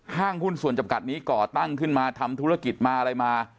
ห้างหุ้นส่วนจำกัดนี้ก่อตั้งขึ้นมาทำธุรกิจมาอะไรมา